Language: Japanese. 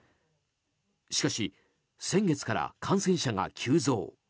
しかし先月から感染者が急増。